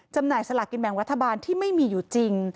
จำหน่ายสลากินแบ่งรัฐบาลที่ไม่มีอยู่จริง